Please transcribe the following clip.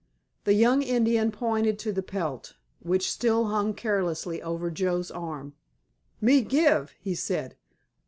The young Indian pointed to the pelt, which still hung carelessly over Joe's arm. "Me give," he said.